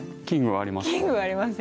キングはあります。